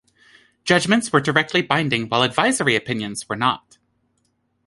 Judgments were directly binding while advisory opinions were not.